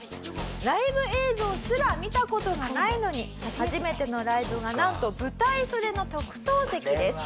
ライブ映像すら見た事がないのに初めてのライブがなんと舞台袖の特等席です。